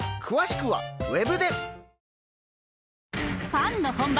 ．．．パンの本場